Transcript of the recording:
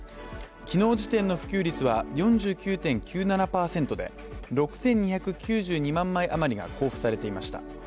昨日時点の普及率は４９．９７％で６２９２万枚あまりが交付されていました。